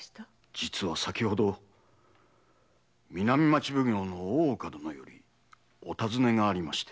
実は先ほど南町奉行の大岡殿よりお尋ねがありまして。